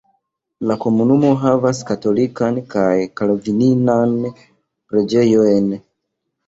La komunumo havas katolikan kaj kalvinanan preĝejojn.